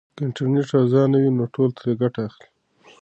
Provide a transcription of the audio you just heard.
که انټرنیټ ارزانه وي نو ټول ترې ګټه اخلي.